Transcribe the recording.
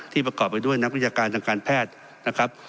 ประกอบไปด้วยนักวิชาการทางการแพทย์นะครับ